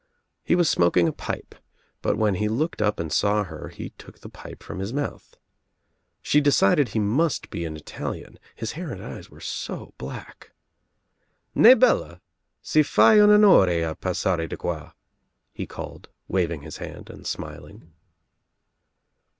He was smoking a pipe, but when he looked up and saw her he took the pipe from his mouth. She decided he must be an Italian, his hair and eyes were so black. "Ne bella I si fai un onore a passare di qua," he called wav* ing his hand and smiling.